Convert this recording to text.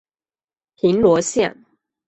平罗线